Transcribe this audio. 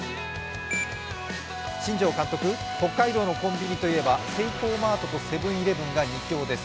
新庄監督、北海道のコンビニといえばセイコーマートとセブン−イレブンが２強です。